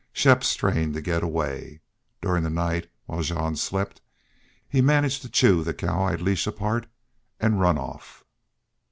Shepp strained to get away. During the night, while Jean slept, he managed to chew the cowhide leash apart and run off.